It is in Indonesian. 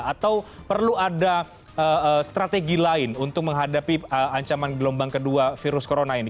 atau perlu ada strategi lain untuk menghadapi ancaman gelombang kedua virus corona ini